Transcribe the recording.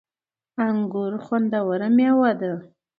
انګور خوندوره مېوه ده